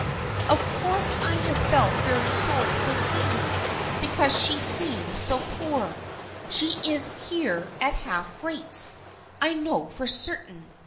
Of course I have felt very sorry for Sydney because she seemed so poor. She is here at half rates, I know for certain.